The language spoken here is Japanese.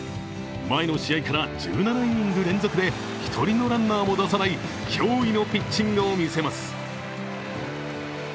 前の試合から１７イニング連続で１人のランナーも出さない驚異のピッチングを見せます。